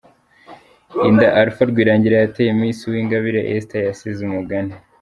Inda Alpha Rwirangira yateye Miss Uwingabire Esther yasize umugani.